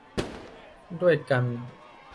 ด้วยกัน